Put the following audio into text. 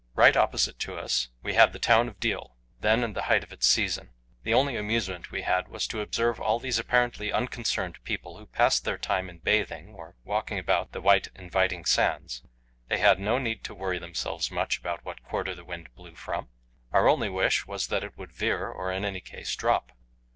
Right opposite to us we had the town of Deal, then in the height of its season. The only amusement we had was to observe all these apparently unconcerned people, who passed their time in bathing, or walking about the white, inviting sands. They had no need to worry themselves much about what quarter the wind blew from. Our only wish was that it would veer, or in any case drop.